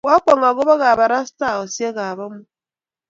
Kiakwong' akobo kabarastaesiek chebo amut